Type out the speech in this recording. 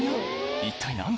一体何だ？